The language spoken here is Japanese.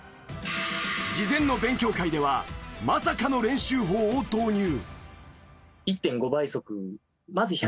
事前の勉強会ではまさかの練習法を導入。